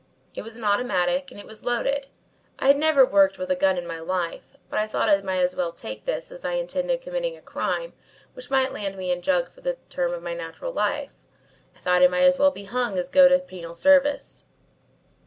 It was an automatic and it was loaded. I had never worked with a gun in my life, but I thought I might as well take this as I intended committing a crime which might land me in jug for the term of my natural life. I thought I might as well be hung as go to penal servitude.